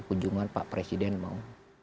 kunjungan pak presiden mau